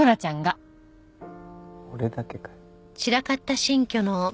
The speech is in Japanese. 俺だけかよ。